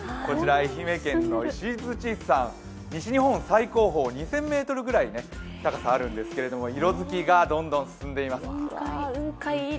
愛媛県の石鎚山、西日本最高峰、２０００ｍぐらい高さあるんですけど色づきがどんどん進んでます